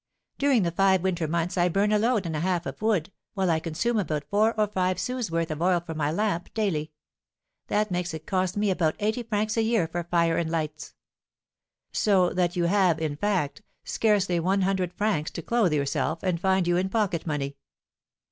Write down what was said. During the five winter months I burn a load and a half of wood, while I consume about four or five sous' worth of oil for my lamp daily; that makes it cost me about eighty francs a year for fire and lights." "So that you have, in fact, scarcely one hundred francs to clothe yourself, and find you in pocket money."